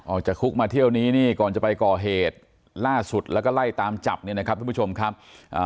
ออกจากคุกมาเที่ยวนี้นี่ก่อนจะไปก่อเหตุล่าสุดแล้วก็ไล่ตามจับเนี่ยนะครับทุกผู้ชมครับ